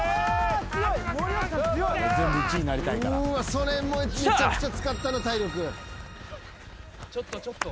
それめちゃくちゃ使ったな体力。